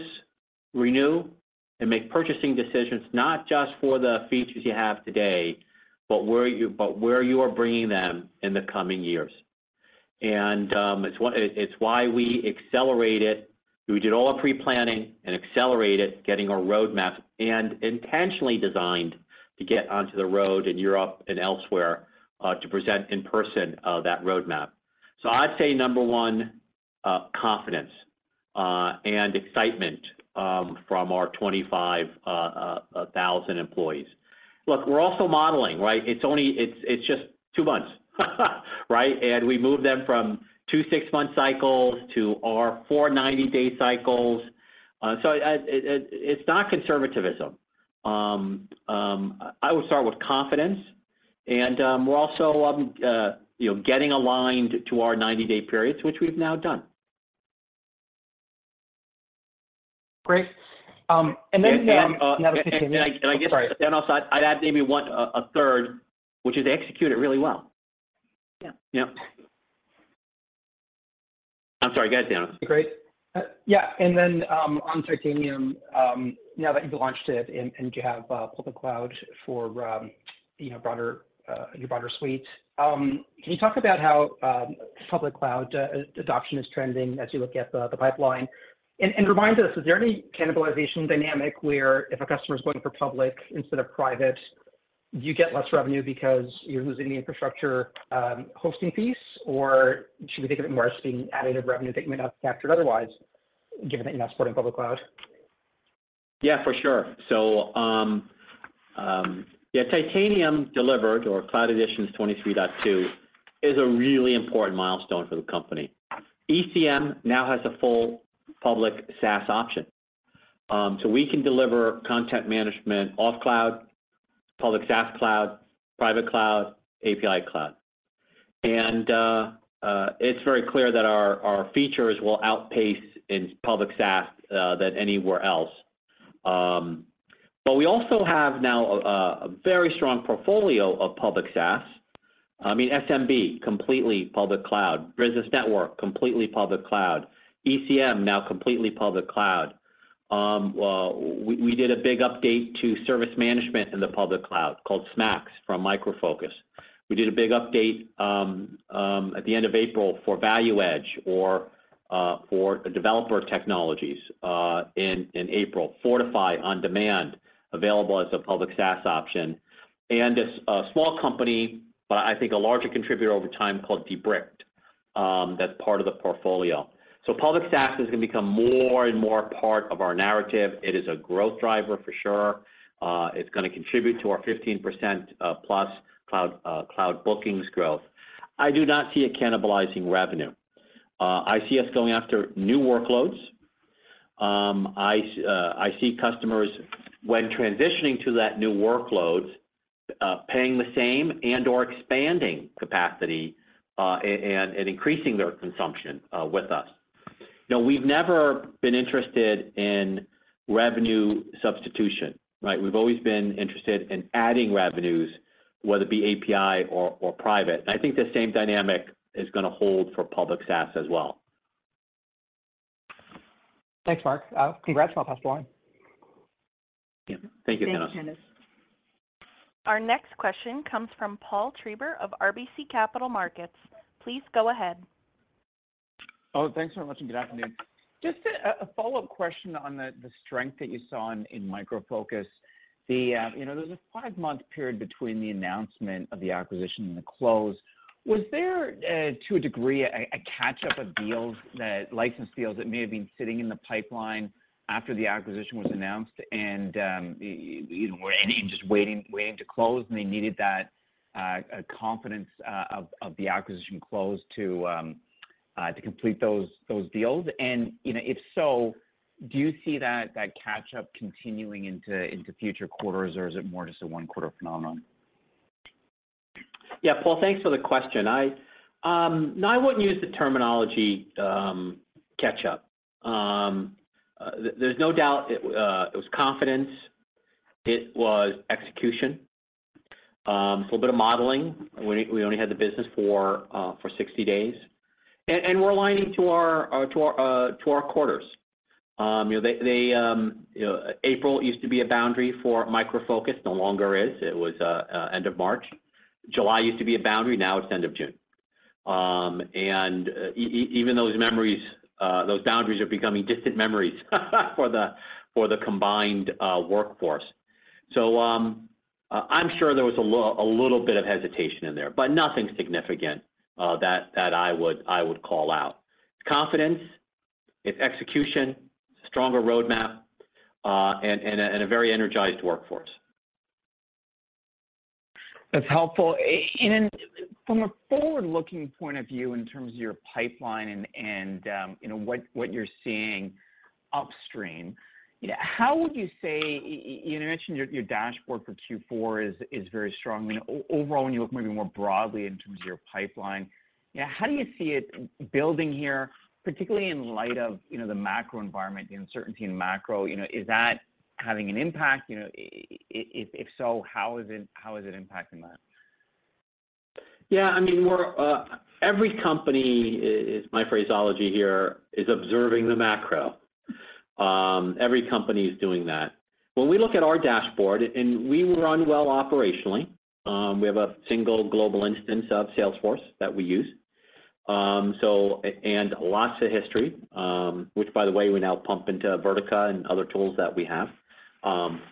renew and make purchasing decisions not just for the features you have today, but where you are bringing them in the coming years. It's why we accelerated. We did all our pre-planning and accelerated getting our roadmap and intentionally designed to get onto the road in Europe and elsewhere to present in person that roadmap. I'd say number one, confidence and excitement from our 25,000 employees. Look, we're also modeling, right? It's just two months, right? We moved them from two six-month cycles to our four 90-day cycles. It's not conservativism. I would start with confidence and, we're also, you know, getting aligned to our 90-day periods, which we've now done. Great. And, uh- You had a second- And I guess- Sorry. Thanos, I'd add maybe one, a third, which is execute it really well. Yeah. Yeah. I'm sorry. Go ahead, Thanos. Great. Yeah, on Titanium, now that you've launched it and you have public cloud for, you know, broader, your broader suite, can you talk about how public cloud adoption is trending as you look at the pipeline? Remind us, is there any cannibalization dynamic where if a customer is going for public instead of private, you get less revenue because you're losing the infrastructure, hosting piece? Should we think of it more as being additive revenue that you may not have captured otherwise given that you're now supporting public cloud? Yeah, for sure. Yeah, Titanium delivered, or Cloud Editions 23.2, is a really important milestone for the company. ECM now has a full public SaaS option, so we can deliver content management off cloud, public SaaS cloud, private cloud, API cloud. It's very clear that our features will outpace in public SaaS than anywhere else. We also have now a very strong portfolio of public SaaS. I mean, SMB, completely public cloud. Business Network, completely public cloud. ECM, now completely public cloud. We did a big update to service management in the public cloud called SMAX from Micro Focus. We did a big update at the end of April for ValueEdge or for developer technologies in April. Fortify on Demand available as a public SaaS option. A small company, I think a larger contributor over time called Debricked, that's part of the portfolio. Public SaaS is gonna become more and more part of our narrative. It is a growth driver for sure. It's gonna contribute to our 15% plus cloud bookings growth. I do not see it cannibalizing revenue. I see us going after new workloads. I see customers when transitioning to that new workloads, paying the same and/or expanding capacity and increasing their consumption with us. No, we've never been interested in revenue substitution, right? We've always been interested in adding revenues, whether it be API or private. I think the same dynamic is gonna hold for public SaaS as well. Thanks, Mark. Congrats on a fabulous quarter. Yeah. Thank you, Thanos. Thanks, Thanos. Our next question comes from Paul Treiber of RBC Capital Markets. Please go ahead. Thanks very much, and good afternoon. Just a follow-up question on the strength that you saw in Micro Focus. The, you know, there's a 5-month period between the announcement of the acquisition and the close. Was there to a degree a catch-up of license deals that may have been sitting in the pipeline after the acquisition was announced and, you know, just waiting to close, and they needed that confidence of the acquisition close to complete those deals? You know, if so, do you see that catch-up continuing into future quarters, or is it more just a 1-quarter phenomenon? Yeah. Paul, thanks for the question. I, no, I wouldn't use the terminology, catch-up. There's no doubt it was confidence, it was execution, a little bit of modeling. We only had the business for 60 days. We're aligning to our, to our, to our quarters. You know, they, you know, April used to be a boundary for Micro Focus, no longer is. It was end of March. July used to be a boundary, now it's end of June. Even those memories, those boundaries are becoming distant memories for the, for the combined, workforce. I'm sure there was a little bit of hesitation in there, but nothing significant, that I would call out. It's confidence, it's execution, stronger roadmap, and a very energized workforce. That's helpful. From a forward-looking point of view in terms of your pipeline and, you know, what you're seeing. Upstream. You know, how would you say, you know, you mentioned your dashboard for Q4 is very strong. I mean, overall, when you look maybe more broadly in terms of your pipeline, yeah, how do you see it building here, particularly in light of, you know, the macro environment, the uncertainty in macro, you know? Is that having an impact? You know, if so, how is it impacting that? Every company is, my phraseology here, is observing the macro. Every company is doing that. When we look at our dashboard, and we run well operationally, we have a single global instance of Salesforce that we use. Lots of history, which by the way, we now pump into Vertica and other tools that we have,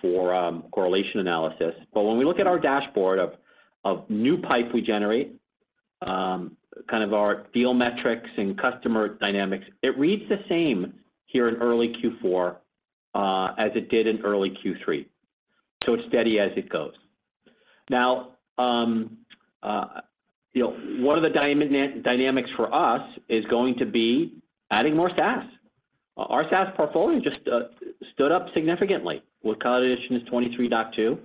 for correlation analysis. When we look at our dashboard of new pipe we generate, kind of our deal metrics and customer dynamics, it reads the same here in early Q4 as it did in early Q3, so it's steady as it goes. You know, one of the dynamics for us is going to be adding more SaaS. Our SaaS portfolio just stood up significantly, with Cloud Editions 23.2,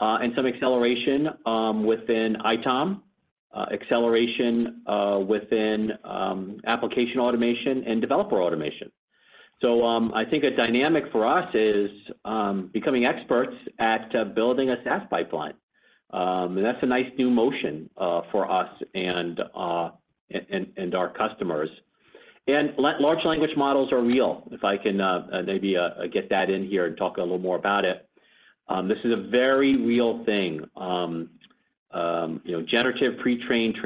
and some acceleration within ITOM, acceleration within application automation and developer automation. I think a dynamic for us is becoming experts at building a SaaS pipeline. That's a nice new motion for us and our customers. Large language models are real, if I can maybe get that in here and talk a little more about it. This is a very real thing. You know, generative pre-trained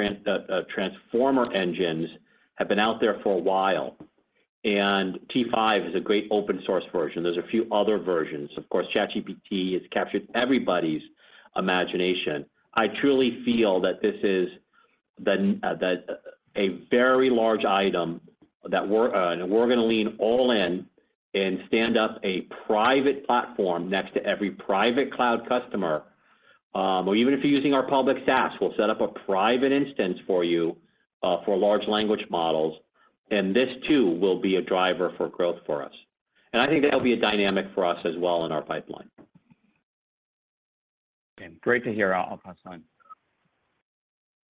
transformer engines have been out there for a while, and T5 is a great open source version. There's a few other versions. Of course, ChatGPT has captured everybody's imagination. I truly feel that this is a very large item that we're gonna lean all in and stand up a private platform next to every private cloud customer. Or even if you're using our public SaaS, we'll set up a private instance for you for large language models, and this too will be a driver for growth for us. I think that'll be a dynamic for us as well in our pipeline. Okay. Great to hear, Mark.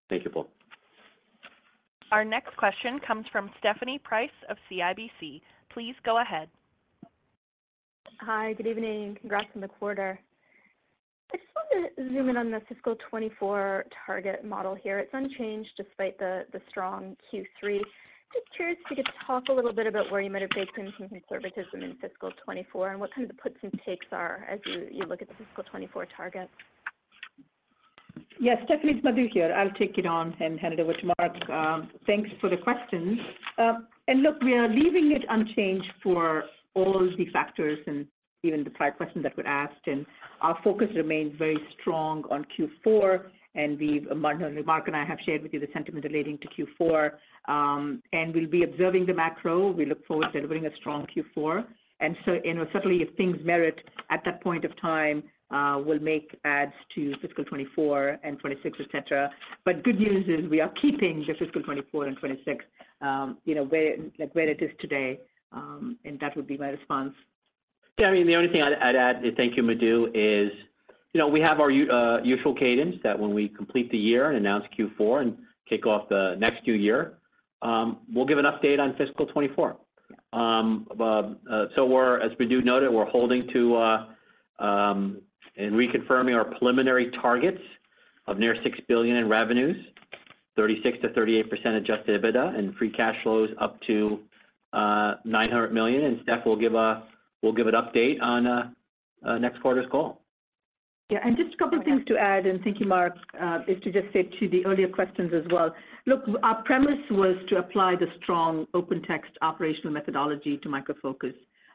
Thank you, Paul. Our next question comes from Stephanie Price of CIBC. Please go ahead. Hi. Good evening. Congrats on the quarter. I just wanted to zoom in fiscal year 2024 target model here. It's unchanged despite the strong Q3. Just curious if you could talk a little bit about where you might have baked in some fiscal year 2024, and what kind of the puts and takes are as you look the fiscal year 2024 targets. Yes, Stephanie, it's Madhu here. I'll take it on and hand it over to Mark. Thanks for the question. Look, we are leaving it unchanged for all the factors and even the prior questions that were asked, and our focus remains very strong on Q4, and Mark and I have shared with you the sentiment relating to Q4. We'll be observing the macro. We look forward to delivering a strong Q4. You know, certainly if things merit at that point of time, we'll make fiscal year 2024 and 2026, etc. Good news is we are fiscal year 2024 and 2026, you know, like, where it is today, and that would be my response. Yeah, I mean, the only thing I'd add, thank you, Madhu, is, you know, we have our usual cadence that when we complete the year and announce Q4 and kick off the next new year, we'll give an update on fiscal year 2024. Yeah. We're, as Madhu noted, we're holding to, and reconfirming our preliminary targets of near $6 billion in revenues, 36%-38% Adjusted EBITDA and free cash flows up to $900 million, and Stephanie will give an update on next quarter's call. Just a couple things to add, and thank you, Mark, is to just say to the earlier questions as well. Our premise was to apply the strong OpenText operational methodology to Micro Focus,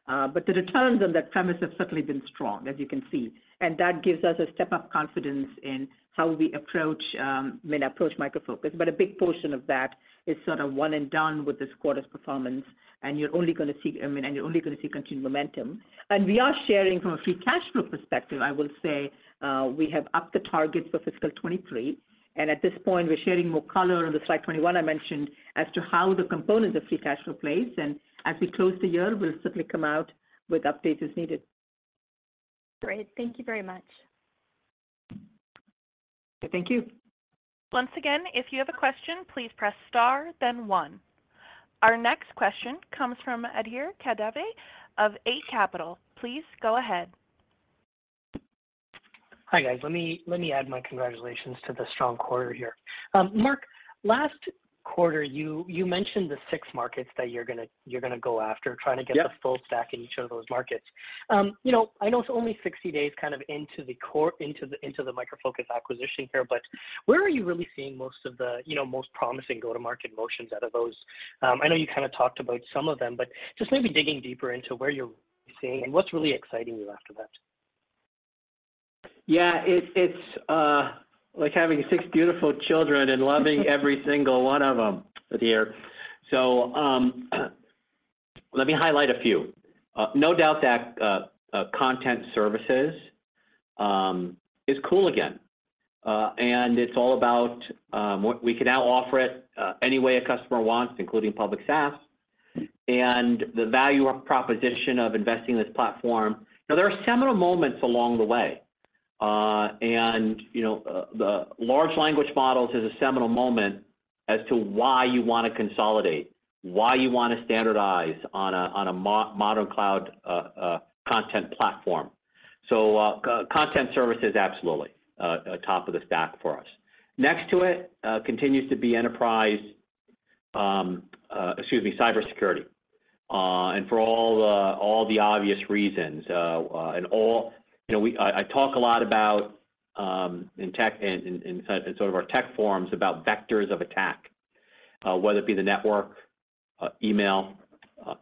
but the returns on that premise have certainly been strong, as you can see. That gives us a step up confidence in how we approach, I mean, approach Micro Focus. But a big portion of that is sort of one and done with this quarter's performance, and you're only gonna see, I mean, continued momentum. We are sharing from a free cash flow perspective, I will say, we have upped the targets for fiscal 2023. At this point, we're sharing more color on the slide 21 I mentioned as to how the components of free cash flow plays. As we close the year, we'll certainly come out with updates as needed. Great. Thank you very much. Thank you. Once again, if you have a question, please press star then one. Our next question comes from Adhir Kadve of Eight Capital. Please go ahead. Hi, guys. Let me add my congratulations to the strong quarter here. Mark, last quarter you mentioned the six markets that you're gonna go after. Yep. -trying to get the full stack in each of those markets. you know, I know it's only 60 days kind of into the Micro Focus acquisition here, but where are you really seeing most of the, you know, most promising go-to-market motions out of those? I know you kind of talked about some of them, but just maybe digging deeper into where you're seeing and what's really exciting you after that. Yeah. It's like having six beautiful children and loving every single one of them, Adhir. Let me highlight a few. No doubt that content services is cool again. It's all about what we can now offer it any way a customer wants, including public SaaS, and the value proposition of investing in this platform. There are seminal moments along the way, and, you know, the large language models is a seminal moment as to why you wanna consolidate, why you wanna standardize on a modern cloud content platform. Content services, absolutely, top of the stack for us. Next to it continues to be enterprise, excuse me, cybersecurity, and for all the obvious reasons, and all... You know, I talk a lot about in tech and in sort of our tech forums about vectors of attack, whether it be the network, email,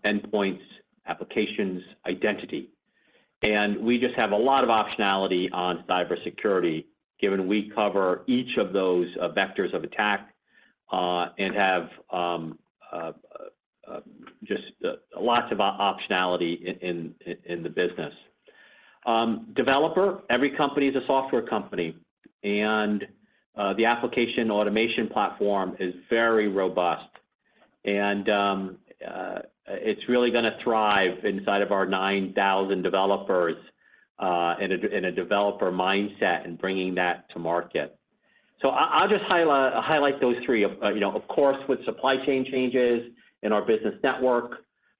endpoints, applications, identity. We just have a lot of optionality on cybersecurity given we cover each of those vectors of attack and have just lots of optionality in the business. Developer, every company is a software company, the application automation platform is very robust and it's really gonna thrive inside of our 9,000 developers in a developer mindset and bringing that to market. I'll just highlight those three. Of, you know, of course, with supply chain changes in our business network,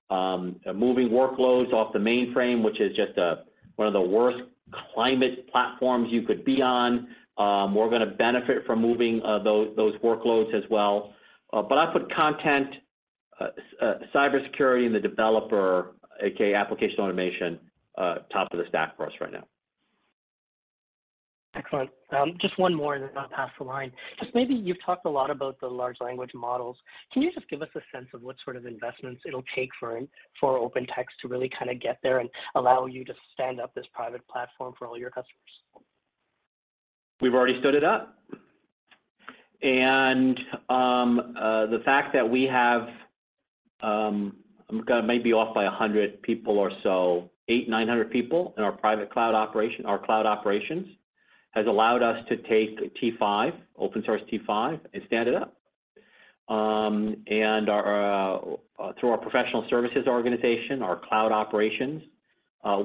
moving workloads off the mainframe, which is just a, one of the worst climate platforms you could be on, we're gonna benefit from moving those workloads as well. I put content, cybersecurity and the developer, AKA application automation, top of the stack for us right now. Excellent. Just one more and then I'll pass the line. Just maybe you've talked a lot about the large language models. Can you just give us a sense of what sort of investments it'll take for OpenText to really kinda get there and allow you to stand up this private platform for all your customers? We've already stood it up. The fact that we have, I'm gonna maybe off by 100 people or so, 8, 900 people in our private cloud operation, our cloud operations, has allowed us to take T5, open source T5 and stand it up. Through our professional services organization, our cloud operations,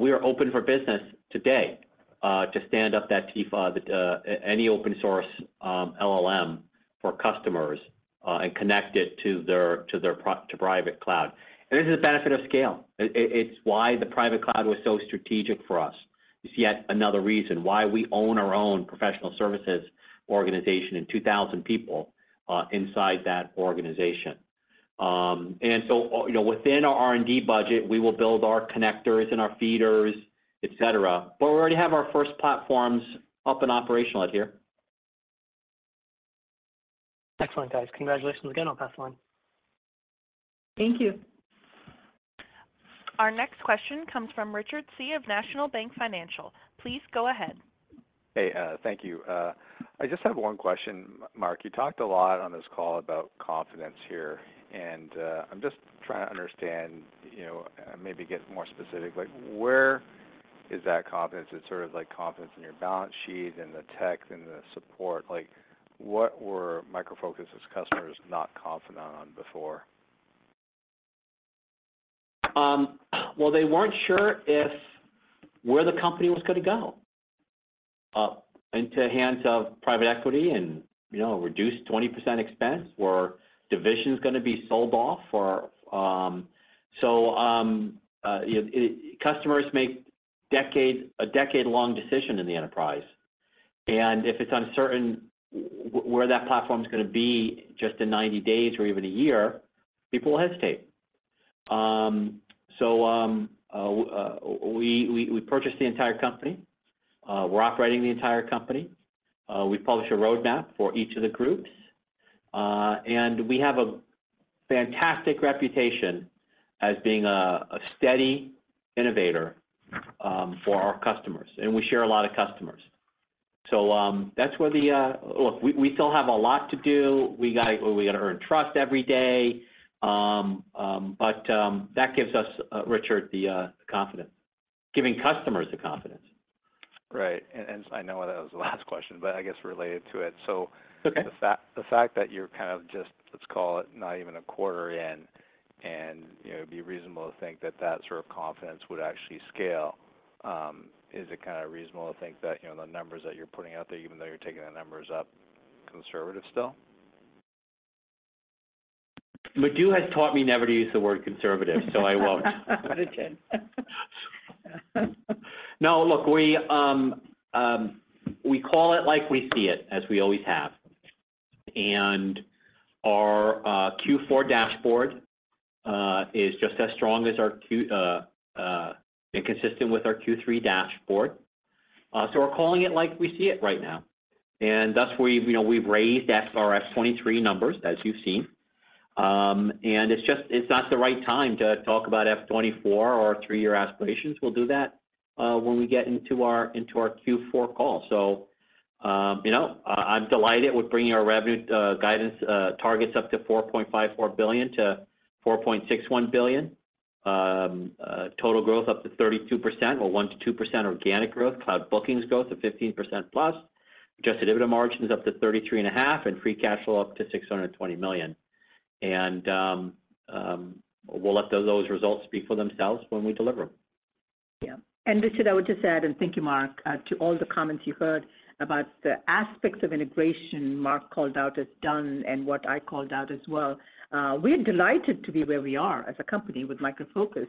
we are open for business today to stand up that T5, any open source LLM for customers and connect it to their private cloud. This is a benefit of scale. It's why the private cloud was so strategic for us. It's yet another reason why we own our own professional services organization and 2,000 people inside that organization. You know, within our R&D budget, we will build our connectors and our feeders, etc. We already have our first platforms up and operational out here. Excellent, guys. Congratulations again. I'll pass the line. Thank you. Our next question comes from Richard Tse of National Bank Financial. Please go ahead. Thank you. I just have one question, Mark. You talked a lot on this call about confidence here. I'm just trying to understand, you know, maybe get more specific. Like, where is that confidence? It's sort of like confidence in your balance sheet and the tech and the support. Like, what were Micro Focus's customers not confident on before? Well, they weren't sure if where the company was going to go into the hands of private equity and, you know, reduce 20% expense, or division's going to be sold off or. You know, customers make a decade-long decision in the enterprise, and if it's uncertain where that platform's going to be just in 90 days or even one year, people will hesitate. We purchased the entire company. We're operating the entire company. We publish a roadmap for each of the groups. And we have a fantastic reputation as being a steady innovator for our customers, and we share a lot of customers. That's where the. Look, we still have a lot to do. We gotta earn trust every day. That gives us Richard, the confidence, giving customers the confidence. Right. I know that was the last question, but I guess related to it. Okay... the fact that you're kind of just, let's call it not even a quarter in and, you know, it'd be reasonable to think that that sort of confidence would actually scale, is it kinda reasonable to think that, you know, the numbers that you're putting out there, even though you're taking the numbers up conservative still? Madhu has taught me never to use the word conservative, so I won't. It is. No, look, we call it like we see it, as we always have. Our Q4 dashboard is just as strong as our Q and consistent with our Q3 dashboard. We're calling it like we see it right now, and thus we've, you know, we've raised FRS 23 numbers, as you've seen. It's just, it's not the right time to talk about F 24 or three-year aspirations. We'll do that when we get into our Q4 call. You know, I'm delighted with bringing our revenue guidance targets up to $4.54 billion-$4.61 billion. Total growth up to 32% or 1%-2% organic growth. Cloud bookings growth of 15%+. Adjusted EBITDA margin is up to 33.5%, and free cash flow up to $620 million. We'll let those results speak for themselves when we deliver. Richard, I would just add, thank you, Mark, to all the comments you've heard about the aspects of integration Mark called out as done and what I called out as well. We're delighted to be where we are as a company with Micro Focus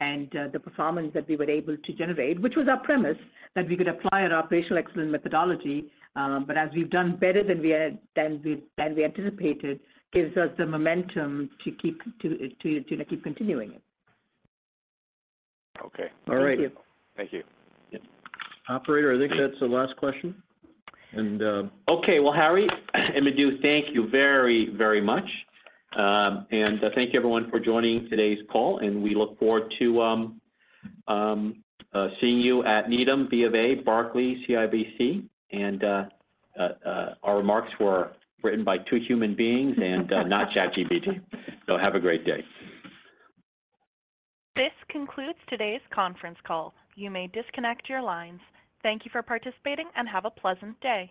and the performance that we were able to generate, which was our premise that we could apply our operational excellence methodology. As we've done better than we had, than we anticipated, gives us the momentum to keep continuing it. Okay. All right. Thank you. Thank you. Yep. Operator, I think that's the last question. Okay. Well, Harry and Madhu, thank you very, very much. Thank you everyone for joining today's call, and we look forward to seeing you at Needham, Bank of America, Barclays, CIBC. Our remarks were written by two human beings and not ChatGPT. Have a great day. This concludes today's conference call. You may disconnect your lines. Thank you for participating and have a pleasant day.